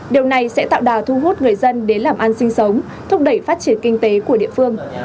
điều này sẽ tạo đà thu hút người dân đến làm ăn sinh sống thúc đẩy phát triển kinh tế của địa phương